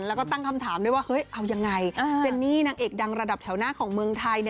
แล้วก็ตั้งคำถามด้วยว่าเฮ้ยเอายังไงเจนนี่นางเอกดังระดับแถวหน้าของเมืองไทย